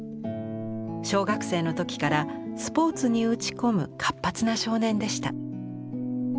小学生の時からスポーツに打ち込む活発な少年でした。